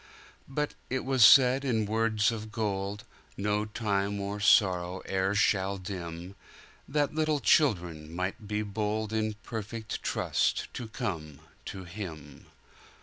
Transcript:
But it was said, in words of gold, No time or sorrow e'er shall dim, That little children might be boldIn perfect trust to come to Him.